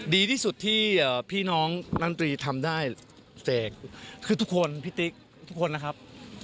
ดีที่สุดที่พี่น้องน้ำตรีทำได้เสกคือทุกคนพี่ติ๊กทุกคนนะครับ